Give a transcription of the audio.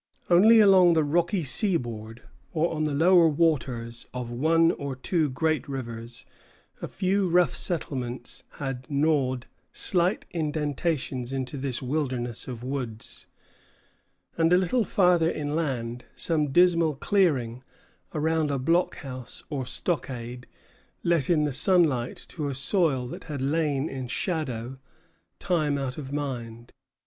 Only along the rocky seaboard or on the lower waters of one or two great rivers a few rough settlements had gnawed slight indentations into this wilderness of woods; and a little farther inland some dismal clearing around a blockhouse or stockade let in the sunlight to a soil that had lain in shadow time out of mind.